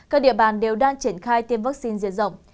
các địa bàn đều đang triển khai tiêm vaccine diện rộng